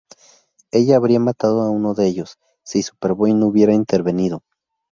Ella habría matado uno de ellos, si Superboy no hubiera intervenido.